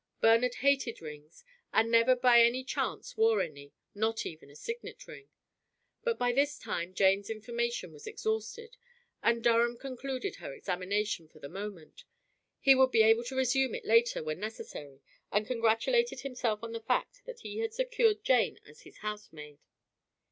Bernard hated rings and never by any chance wore any, not even a signet ring. But by this time Jane's information was exhausted, and Durham concluded her examination for the moment. He would be able to resume it later when necessary, and congratulated himself on the fact that he had secured Jane as his housemaid.